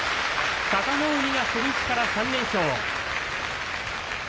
佐田の海が初日から３連勝。